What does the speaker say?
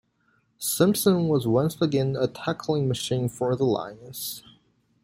Simpson was once again a tackling machine for the Lions.